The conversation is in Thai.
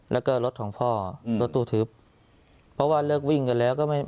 แล้วก็รถของพ่ออืมรถตู้ทึบเพราะว่าเลิกวิ่งกันแล้วก็ไม่